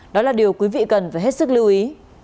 đó là điều quý vị cần phải hết sức lưu ý